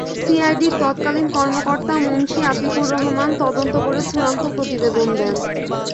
সিআইডির তৎকালীন কর্মকর্তা মুন্সী আতিকুর রহমান তদন্ত করে চূড়ান্ত প্রতিবেদন দেন।